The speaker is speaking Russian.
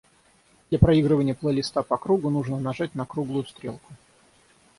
Для проигрывания плейлиста по кругу, нужно нажать на круглую стрелку.